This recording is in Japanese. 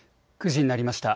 ９時になりました。